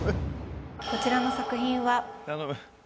こちらの作品は。